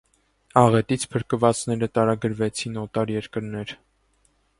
Աղետից փրկվածները տարագրվեցին օտար երկրներ։